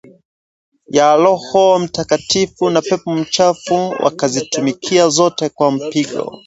ya roho mtakatifu na pepo mchafu wakazitumikia zote kwa mpigo